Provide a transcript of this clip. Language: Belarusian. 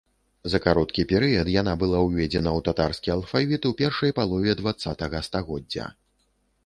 За кароткі перыяд яна была ўведзена ў татарскі алфавіт ў першай палове дваццатага стагоддзя.